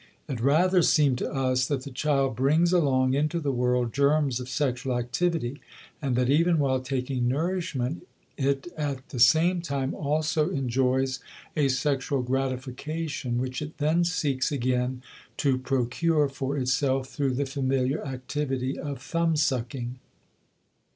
It rather seemed to us that the child brings along into the world germs of sexual activity and that even while taking nourishment it at the same time also enjoys a sexual gratification which it then seeks again to procure for itself through the familiar activity of "thumbsucking."